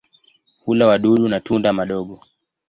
Hula wadudu na tunda madogo.